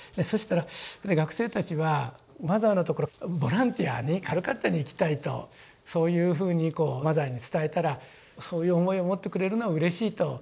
そしたらやっぱり学生たちはマザーのところボランティアにカルカッタに行きたいとそういうふうにマザーに伝えたらそういう思いを持ってくれるのはうれしいと。